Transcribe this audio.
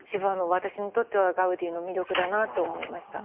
私にとってはガウディの魅力だなって思いました。